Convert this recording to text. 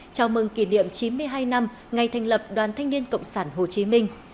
chào mừng kỷ niệm chín mươi hai năm ngày thành lập đoàn thanh niên cộng sản hồ chí minh